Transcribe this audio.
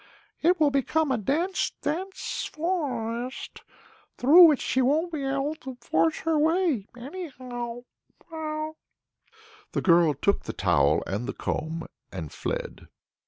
It will become a dense, dense forest; through that she won't be able to force her way anyhow." The girl took the towel and the comb and fled.